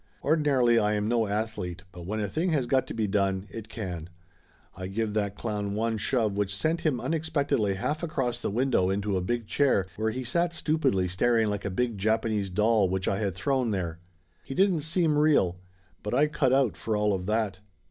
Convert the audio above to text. Ordinarily I am no athlete, but when a thing has got to be done, it can. I give that clown one shove which sent him unexpectedly half across the window into a big chair, where he sat stu pidly staring like a big Japanese doll which I had thrown there. He didn't seem real. But I cut out, for all of that.